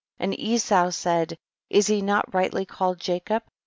10. And Esau said, is he not rightly called Jacob